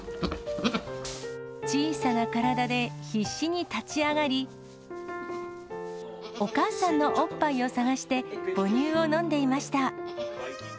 小さな体で必死に立ち上がり、お母さんのおっぱいを探して、母乳を飲んでいました。